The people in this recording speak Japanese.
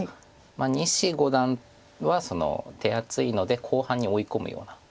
西五段は手厚いので後半に追い込むような。